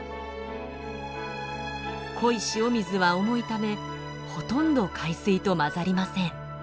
濃い塩水は重いためほとんど海水と混ざりません。